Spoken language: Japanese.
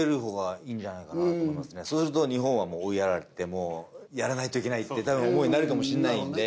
そうすると日本は追いやられてやらないといけないって思いになるかもしれないんで。